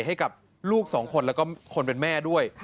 ให้กับลูกสองคนแล้วก็คนเป็นแม่ด้วย